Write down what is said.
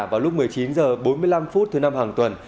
vào lúc một mươi chín h bốn mươi năm thứ năm hàng tuần